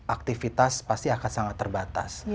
aktivitas pasti akan sangat terbatas